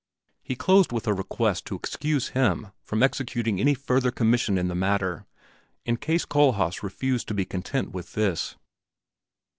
He closed with a request to excuse him from executing any further commissions in the matter, in case Kohlhaas refused to be content with this.